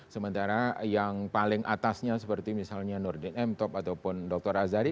sementara yang paling atasnya seperti misalnya nordin emtok ataupun dr azari